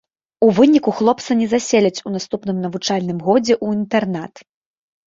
У выніку хлопца не заселяць у наступным навучальным годзе ў інтэрнат.